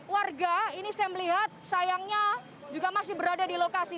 warga ini saya melihat sayangnya juga masih berada di lokasi